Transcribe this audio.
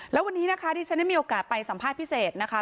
แล้ววันนี้นะคะที่ฉันได้มีโอกาสไปสัมภาษณ์พิเศษนะคะ